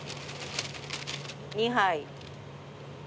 ２杯。